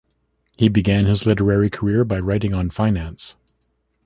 He began his literary career by writing on finance.